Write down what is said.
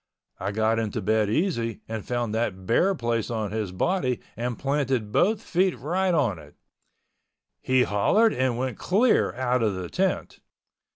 I got into bed easy and found that bare place on his body and planted both feet right on it. He hollered and went clear out of the tent.